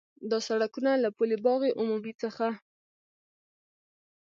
دا سړکونه له پُل باغ عمومي څخه